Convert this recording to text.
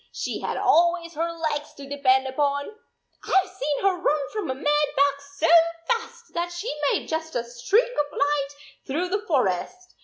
She had always her legs to depend upon ! I Ve seen her run from a mad buck so fast that she made just a streak of light through the forest.